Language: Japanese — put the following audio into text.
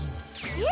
えっ！？